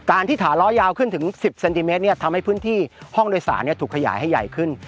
ที่ถาล้อยาวขึ้นถึง๑๐เซนติเมตรทำให้พื้นที่ห้องโดยสารถูกขยายให้ใหญ่ขึ้น